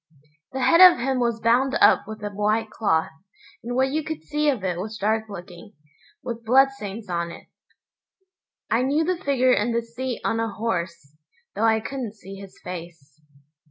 The head of him was bound up with a white cloth, and what you could see of it was dark looking, with bloodstains on it. I knew the figure and the seat on a horse, though I couldn't see his face.